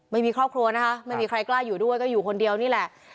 ไม่มีครอบครัวนะคะไม่มีใครกล้าอยู่ด้วยก็อยู่คนเดียวนี่แหละ